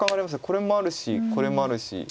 これもあるしこれもあるし。